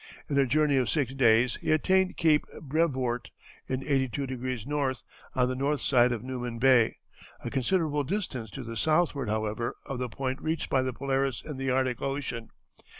In a journey of six days he attained Cape Brevoort, in 82° N., on the north side of Newman Bay, a considerable distance to the southward, however, of the point reached by the Polaris in the Arctic Ocean.